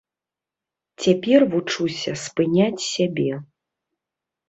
Цяпер вучуся спыняць сябе.